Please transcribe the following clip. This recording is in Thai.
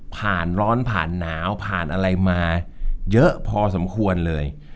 ร้อนผ่านหนาวผ่านอะไรมาเยอะพอสมควรเลย